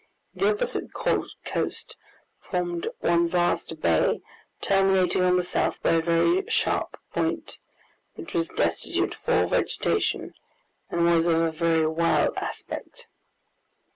The opposite coast formed one vast bay, terminating on the south by a very sharp point, which was destitute of all vegetation, and was of a very wild aspect.